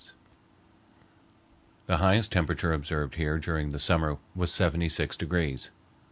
The highest temperature observed here during the summer was seventy six degrees.